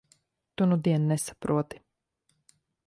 Tu nudien nesaproti.